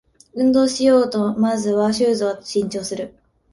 運動しようとまずはシューズを新調する